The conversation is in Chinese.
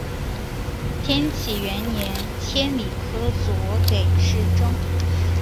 天启元年迁礼科左给事中。